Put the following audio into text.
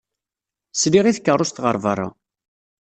Sliɣ i tkeṛṛust ɣer beṛṛa.